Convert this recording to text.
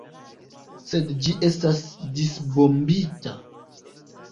Sed ĝi estas disbombita!